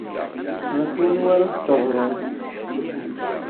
Ɣef wanwa ara tdeɣreḍ?